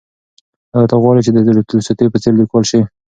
ایا ته غواړې چې د تولستوی په څېر لیکوال شې؟